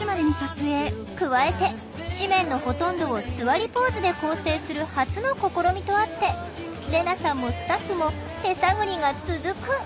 加えて誌面のほとんどをすわりポーズで構成する初の試みとあってレナさんもスタッフも手探りが続く。